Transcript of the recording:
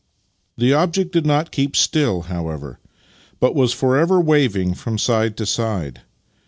The object did not keep still, however, but was forever waving from side to side.